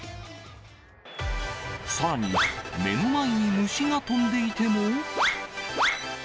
さらに、目の前に虫が飛んでいても。